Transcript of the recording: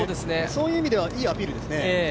そういう意味ではいいアピールですね。